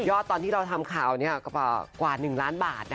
ตอนที่เราทำข่าวกว่า๑ล้านบาท